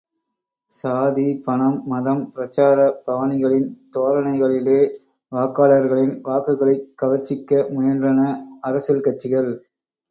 சாதி, பணம், மதம், பிரச்சார பவனிகளின் தோரணைகளிலே வாக்காளர்களின் வாக்குகளைக் கவர்ச்சிக்க முயன்றன அரசியல் கட்சிகள்!